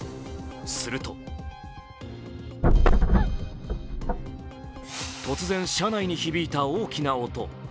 すると突然、車内に響いた大きな音。